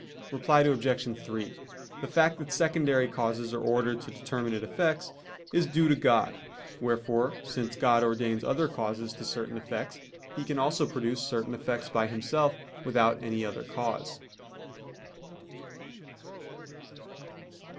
Reply Obj. 3: The fact that secondary causes are ordered to determinate effects is due to God; wherefore since God ordains other causes to certain effects He can also produce certain effects by Himself without any other cause.